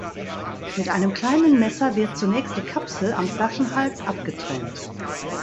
Mit einem kleinen Messer wird zunächst die Kapsel am Flaschenhals abgetrennt.